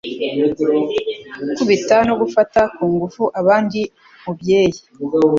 gukubita no gufata ku ngufu Abandi Mubyeyi"